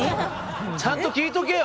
ちゃんと聞いとけよ！